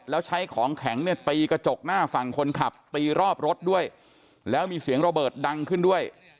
แล้วใช้ของแข็งเนี่ยตีกระจกหน้าฝั่งคนขับตีรอบรถด้วยแล้วมีเสียงระเบิดดังขึ้นด้วย